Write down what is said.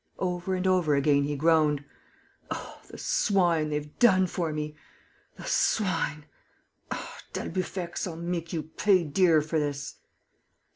Over and over again, he groaned: "Oh, the swine, they've done for me!... The swine!... Ah, d'Albufex, I'll make you pay dear for this!..."